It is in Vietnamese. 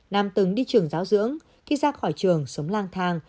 nam từng đi trường giáo dưỡng khi ra khỏi trường sống lang thang